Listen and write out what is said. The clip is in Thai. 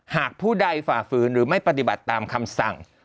ผู้ใดฝ่าฝืนหรือไม่ปฏิบัติตามคำสั่ง